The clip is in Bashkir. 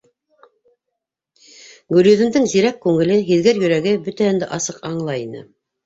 Гөлйөҙөмдөң зирәк күңеле, һиҙгер йөрәге бөтәһен дә асыҡ аңлай ине.